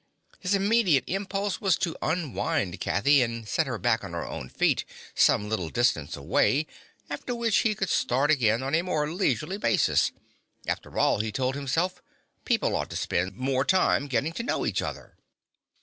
His immediate impulse was to unwind Kathy and set her back on her own feet, some little distance away, after which he could start again on a more leisurely basis. After all, he told himself, people ought to spend more time getting to know each other.